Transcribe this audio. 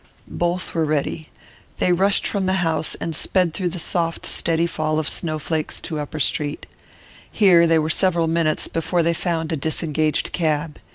Both were ready. They rushed from the house, and sped through the soft, steady fall of snowflakes into Upper Street. Here they were several minutes before they found a disengaged cab.